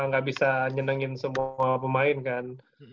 nggak bisa nyenengin semua pemain kan